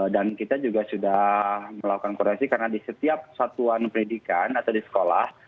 dan kita juga sudah melakukan koreksi karena di setiap satuan pendidikan atau di sekolah